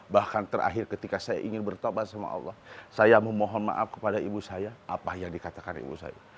bahkan terakhir ketika saya ingin bertobat sama allah saya memohon maaf kepada ibu saya apa yang dikatakan ibu saya